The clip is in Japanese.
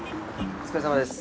お疲れさまです。